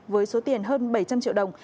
với số tiền hơn bảy trăm linh triệu đồng